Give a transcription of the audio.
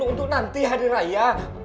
untuk nanti hari raya